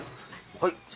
はい。